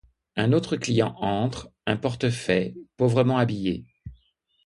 Un autre client entre, un portefaix, pauvrement habillé.